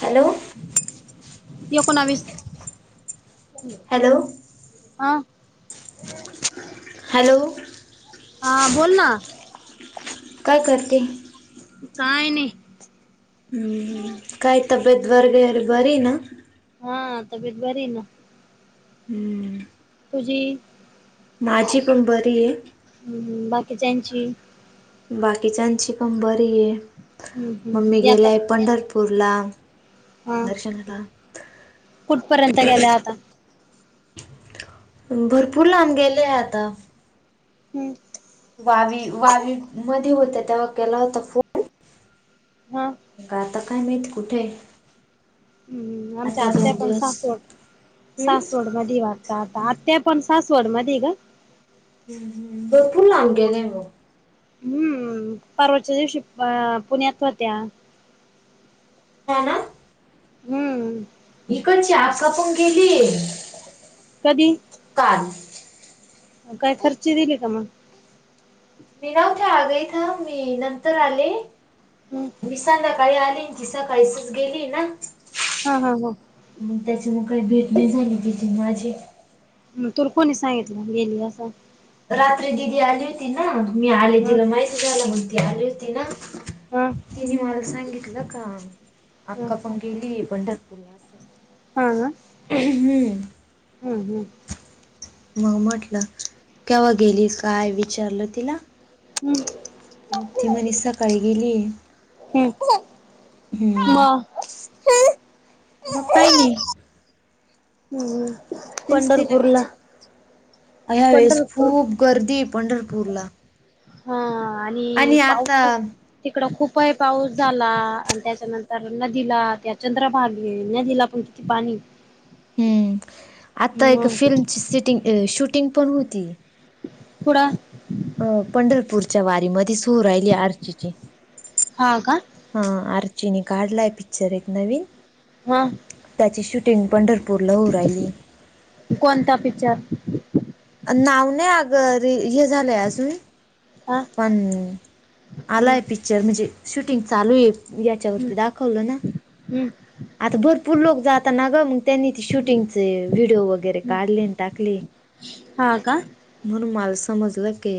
Hello. एकोणावीस hello हा. Hello. हा बोल ना. काय करते. काय नाही. हम्म हम्म, काय तब्येत वर्गर बरी हाय ना? हां, तब्येत बरी ना. अं. तुझी माझी पण बरी ये. हं हं बाकीच्यांची? बाकीच्यांची पण बरी आहे. हम्म ममी हम्म गेली यात आहे पंढर पूरला हा दर्शनला. कुठपर्यंत गेल्या आता? भरपूर लांब गेले आता. हम्म. वावी वावी मध्ये होत तेव्हा केला होता फोन. हा. का आता काय माहित, कुठे आहे. हम् आमच्या आता आत्या दोन पण दिवस सासवड हम्म? सासवड. मध वाटता आता आत्या पण सासवड मधी ग. भरपूर लांब आहे ना ग हम्म, परवाच्या दिवशी पुण्यात होत्या. हा ना. हम्म. मीकणची आक्का पणं गेली. कधी? काल. काय खर्ची दिली का मग? मी नव्हते आग इथं मी नंतर आले. हम्म. मी संध्याकाळी आली, आन ती सकाळीचच गेली ना. हा हा हा. मग त्याची मग काही भेट नाही झाली तिची माझी. तूर कोणी सांगितलं गेली असं. रात्री दिदी आली हो तिला मी आले ह तिला माहिती झालं म्हणत्या, ते आले होते ना. ह तीनी मला सांगितलं का, ह अक्का पण गेलीय पंढरपूरला असं. हा हम्म हम्म. मग म्हटलं. केव्हा गेलीस काय विचारलं तिला? हम्म. मग ती म्हणी सकाळी गेली आहे. हम्म. हम्म. हां. मग काय नाही. हम्. तेच तिला विचार हया वेळेस पंढरपूर खूप गर्दी पंढरपूरला. हा आणि पाऊसच तिकड खूपही पाऊस झाला आणि त्याच्यानंतर नदीला त्या चंद्रभागेल नदीला पूर पाणी. हम्म आता मग फिल्मची सिटिंग अ शूटिंग पण होती. कुडा. अं पंढरपूरच्या वारीमध्ये सू राहिली आरचेची. हा का. हा आर्चीने काढलाय पिक्चर एक नवीन. हा. त्याची शूटिंग पंढरपूरला होऊ राहिली. कोणता पिक्चर. नाव नाही आगं रील, हे झालंय अजून. हा पण हम्म आलाय पिक्चर, म्हणजे शूटिंग चालू ये. याच्यावरती दाखवलं ना. हम्. आता भरपूर लोक जाताना ग मग त्यांनी ते हम्म शुटिंगचे व्हिडिओ वगैरे हम्म काढले आणि टाकले. हा का? म्हणून मल समजलं के.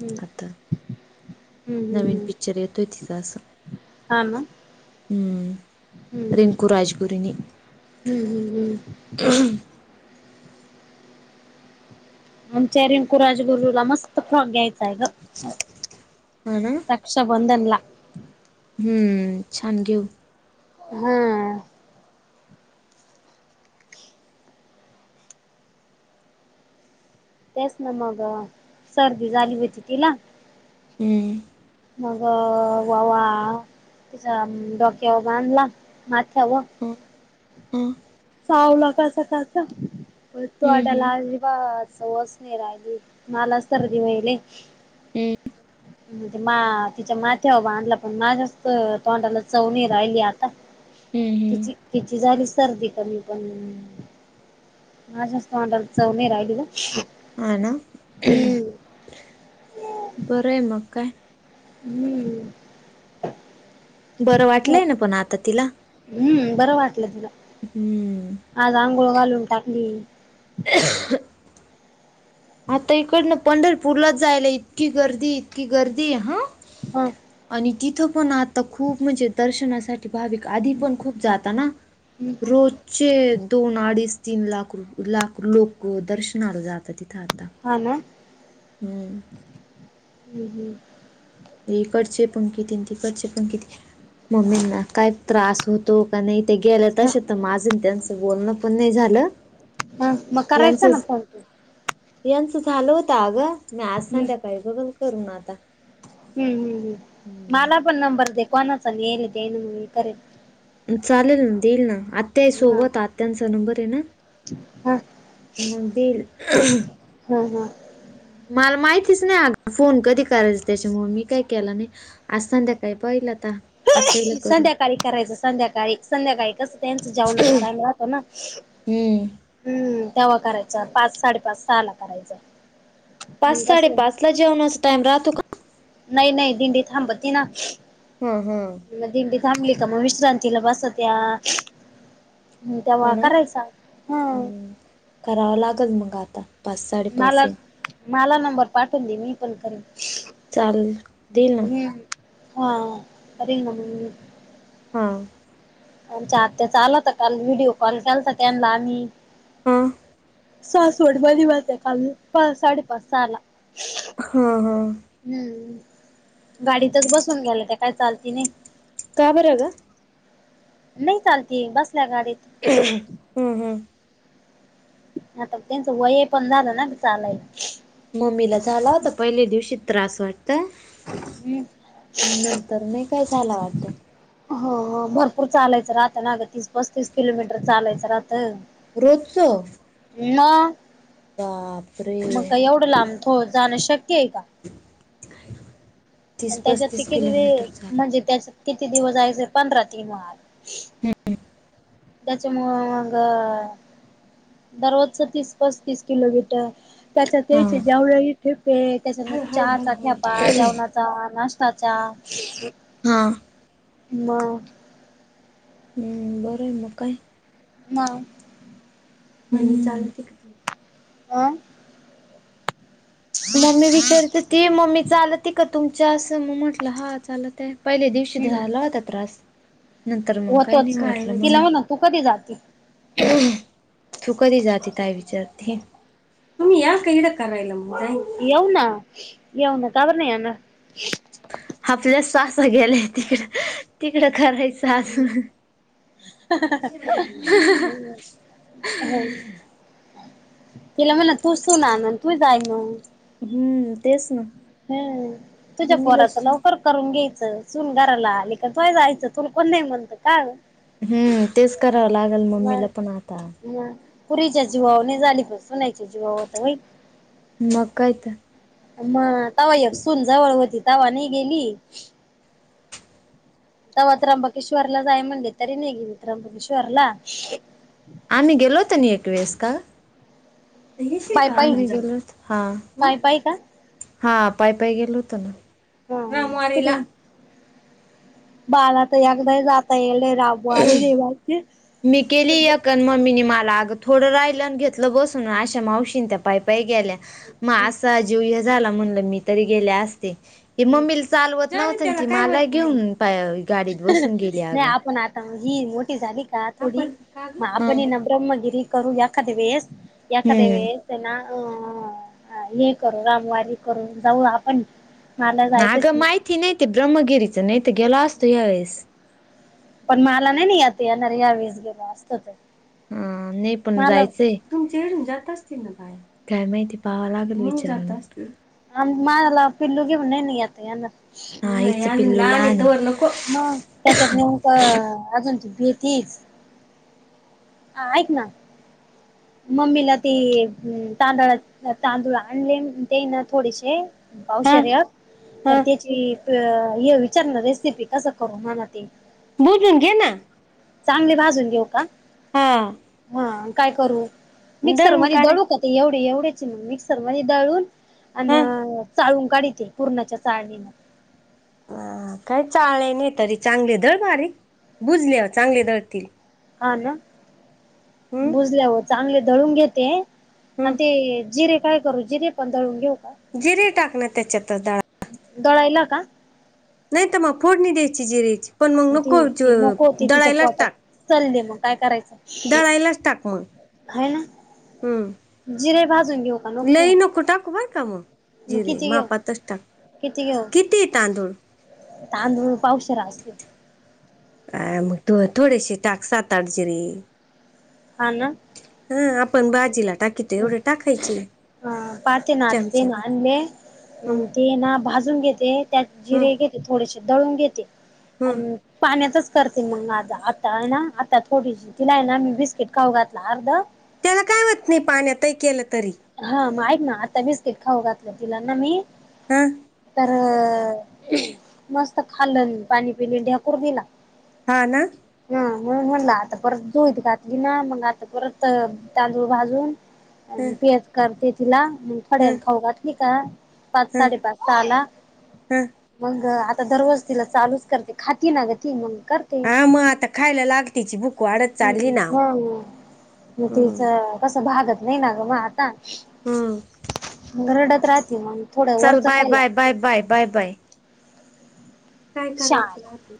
हम्म. हम्म हम्म नवीन हम्म पिक्चर येतोय तिचं असं. हा हम् हम् हम्म रिंकू राजगुरूने हम्म हम्म हम्म. [unintelligible] आमच्या रिंकू राजगुरूला मस्त फोग घ्यायचाय गं. ह ना. रक्षाबंधनला. हम्म, छान जेव. हा. तेच ना म गं सर्दी झाली. होती तिला, हम्म. मग ववा. तिचा डोक्यावर बांधला माथ्यावर. ह ह. सावला का सकाळचं हम्म तोंडाला हम्म [unintelligible] आज संवासिनी राहिली, मलाच तर देऊन राहिले. ह. मा तिच्या माथ्यावर बांधला पण, माझ्याच तोंडाला चव नयी राहिली आता. हम्म हम्म. ची तिची झाली सर्दी. आता मी पण माझ्याच, तोंडाला चव नाही राहिली गं. है ना बरं आहे, मग काय. हम्म. बरं हो वाटलंय ना, पण आता तिला. हम्म बरं वाटलं तीला. हम. आज आंघोळ घालून टाकली. आता इकडन पंढरपूरलाच जायला, इतकी गर्दी इतकी गर्दी हां. आ.. आणि तिथं, पण आता खूप म्हणजे दर्शनासाठी. भाविक आधी पण, खूप जाता ना रोज. चे दोन अडीच तीन लाख रुप लाख लोक दर्शनाला जातात तिथं आता. हा ना. हम्म. हम्म हम्म. इकडचे पण किती तिकडचे, पण किती मम्मींना काय त्रास होतं. तो कणी ते गेला ह तश, तर माझं त्यांचं बोलणं पण नाही झालं. हा मग करायचा ना यांचंच फोन तू. यांचं झालं होत अगं, मी आज हम्म हम्म संध्याकाळी बघल करू ना आता. हम्म हम् हम्. ह्. मला पण नंबर दे, कोणाच येण देण मी करेन. चालेल मग देईल ना आत्या आहे हा सोबत आत्यांचा नंबर येना. हा मंग देईल. हा हा. मला माहितीच नाही अगं फोन कधी करायचा, त्याच्यामुळं मी काय केला नाही. आज संध्याकाळी पाहिलं आता, आता हे. संध्याकाळी करायचं संध्याकाळी, संध्याकाळी कसं त्यांच जेवणाचा टाइम राहत ना. हम्म. हम्म तवा करायचं, पाच साडेपाच सहाला करायचं. पाच साडेपाचला जेवणाचं टाइम राहतो का? नाही नाही, दिंडी थांबती ना. हां हां. मग दिंडी थांबली का, मग विश्रांतीला बसत या. हं हा तेव्हा ना करायचा. हम्म. करावं लागल मग आता. पाच साडेपाच मला ला मला नंबर पाठवून दे, मी पण करेन. चाल देईल ना हम हा करेल ना मी. हा. आमच्या आत्या चालत काल व्हिडिओ कॉल केलता त्यांनला आम्ही. हां. सासवड मधी गेलते, काल मी साडेपाच सहाला. हा हा. हम्म गाडीतच बसून घ्याला त्या काय चालती नाही. का बरं आहे गं? नाही चालती बसल्या गाडीत. हम्म हम्म. आता त्यांचं वय हायपण झालं ना ग चालाय. मम्मीला झाला होता पहिले दिवशी त्रास वाट तर, हम्म नंतर नाही काय झाला वाटतं. हा हा भरपूर चालायचं राहत ना गं तीस पस्तीस किलोमीटर चालायचं राहतं. रोजचं? नॉ, मग बापरे काय एवढं लांब तो जाणं शक्य हाय का? तीस आणि त्याच्यात ते पस्तीस किती किलोमीटर चाल म्हणजे त्याच्यात किती दिवस जायचे पंधरा तीन वार. हम्म. त्याच्यामुळं मग दररोजचं तीस पस्तीस किलोमीटर त्याच्या हा तेचे जेवळही ठेपे त्याच्यान चहाचा ठेपा हा जेवणात चा नाश्ता चहा? [unintelligible] हां. मग. हम्म बरं हाय मग काय? मग. हम्म चालतंय की. आं. मम्मी विचारत हुती मम्मी चालती का तुमच्यास? मग म्हटलं, हा चालत आहे. पहिल्या दिवशी हम्म धयाला होता त्रास नंतर मग काही नाही होतोच वाटलं तिला म्हणून. म्हणा तू कधी जाते [inaudible] तु कधी जाते ताई विचारते तुम्ही या कइड करायला मग काय येऊना, येऊना का बरं नाही येणार? आपल्या सासर गेल्याय तिकडं तिकडं खरायचा असं. हम्म. तिला म्हणा तूच सून आन तूच आई हो. हम्म तेच ना. हम्म, तुझ्या पोराच मम्मीलाच लवकर करून घ्यायचं सुन गाराला आली का तोय जायचं तुल कोण नाही म्हणतं का. हम्म तेच करावं लागेल मम्मीला पण आता. हा. पुरीच्या जीवावर नाय झाली पण सुन्याच्या जीवावर होत व्हय? मग काय तर? मग तवा एक सून जवळ होती. तवा नाही गेली. तेव्हा त्र्यंबकेश्वरला जाय म्हणले तरी नाही गेली त्र्यंबकेश्वरला. आम्ही गेलोत नि एक वेळेस का? [unintelligible] पाय पायी हा पाय पायी का हा पाय पाय गेलो होत ना हा हा रामवारीला. कुठून बाला तर एकदा जाता येलय राबोरी रवाची मी केेलीया क मम्मीनी मला अग थोडं राहिलं आणि घेतलं बसून आशा मावशीं त्या पायपाय गेल्या. मग हम्म असा जीव हे झाला म्हणल मी तरी गेले असते ते हम्म मम्मीला. चालवत नव्हत त मला घेऊन पा नाही आपण आत ही मोठी झाली का थोडी आपण का गं? मग हा आपण ना ब्रह्मगिरी करू एखाद वेळेस. एखाद्या वेळे हम्म त्यां ना अ हे करू रामवारी करून जाऊ आपण. मला ना जायचंच अगं माहिती मग नाही ते ब्रह्मगिरीच नाही तर गेला असतो यावेेळेस. पण मला नाही नाही आता येणार या वेळेस गेलो असतोयत. हा नाही पण जायचंय तुमचे येडून जात असते ना बाय काय माहिती पाहावा लागल मीच जात असते. आम मला पिल्लू घेऊन नाही न येणार. हीच पिल्लू लहान आहे तोवर नको. मग त्याच्यात नेमक अजून ती भेतीच. हा? ऐक ना मम्मीला ती तांदळाची. तांदूळ आण आणलेम देना थोडेसे हा पावशर तर हा त्याची हे विचारण रेसिपी कसं करू म्हना ते? बोलून घे ना चांगले भाजून घेऊ का? हां हा काय करू मिक्सर दळून मध्ये काढाय दळू का? ते एवढे एवढ्याचे मग मिक्सर मध्ये दळून हा आणि चाळून काढीती पूराच्या चाळणींन. ह काही चाळले नाही तरी चांगले दळ बारीक बुजल्यावर चांगले दळतील. हा ना हम्म बुजल्यावर चांगले दळून घेते. आणि हम्म ते जिरे काय करू जिरे दळून घेऊ का? जिरे टाक ना त्याच्यात आता. दळायला का? नाही तर मग फोडणी द्यायची जिरेची पण मग नको दडळायलाच टाक. चालले मग काय करायचं दळायलाच टाक मग. खाय हम्म ना जिरे भाजून घेऊ का नको? लई नको टाकू बर का मग घेऊ मग जिरे किती घेऊ मापातच टाक किती घेऊ किती आहे तांदूळ. तांदूळ पावशेर असते. अ मग तू थोडेशी टाक सात, आठ जिरे हा ना हा आपण भाजीला टाकीतो एवढे टाकायचे हा पाहते ना ते चमच्याभर आनाले मग हम्म ते ना भाजून घेते त्यात हम्म जिरे घेते. ते थोडेसे दळून घेते हम्म आणि पाण्यातच करते मंग आता. आता आहे ना आता थोडीशी तिला आहे. ना मी बी टिकाव घातल अर्ध. त्याला काय होत नाही पाण्यातही केलं तरी. हा मग ऐक ना, आता बिस्किट खाऊ घातलं तिला ना मी. हा तर मस्त खाल्लं पाणी अन पिले ढेकूर दिला. हा ना. हा म्हणुन म्हणलं आता परत जोईत घातली ना मग आता परत ता तांदूळ भाजून [inaudible] आणि पेत करते तिला म ह थड्याला खाऊ घातली का पाच ह साडेपाच पाला ह मग आता दरवाज तिला चालूच करते खाती ना गं ती मग कर. हा मग आता खायला लाग तिची भूक वाढत चाली ना. [unintelligible] म तिच हम्म कसं भागात नाही ना ग म आता. हम्म. रडत राहती मग. थोडं चल वरचं बाय खायला bye bye bye bye bye. काय करायचं शान राहुदे.